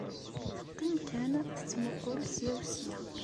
Teqqim kan tettmuqqul ssya u ssya.